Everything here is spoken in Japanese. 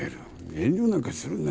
遠慮なんかするな。